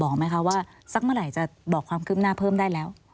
บอกไหมคะว่าสักเมื่อไหร่จะบอกความคืบหน้าเพิ่มได้แล้ว